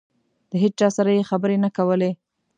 د هېچا سره یې خبرې نه کولې.